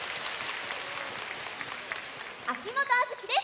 秋元杏月です。